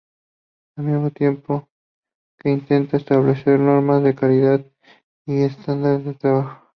Al mismo tiempo que intentan establecer normas de calidad y estándares de trabajo.